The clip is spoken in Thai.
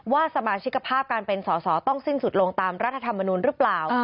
ว่าสมาชิกภาพการเป็นสอสอต้องสิ้นสุดลงตามรัฐธรรมนุนหรือเปล่า